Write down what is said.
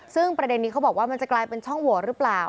ซึ่งประเด็นนี้เขาบอกว่ามันจะกลายเป็นช่องโหวตหรือเปล่า